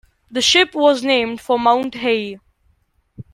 The ship was named for Mount Hiei.